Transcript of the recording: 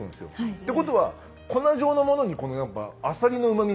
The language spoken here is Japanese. ってことは粉状のものにやっぱアサリのうまみ